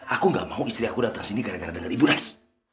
aku gak mau istri aku datang sini gara gara dengar ibu res